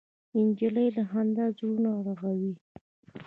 نجلۍ له خندا زړونه رغوي.